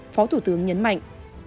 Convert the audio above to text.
phó thủ tướng nhấn mạnh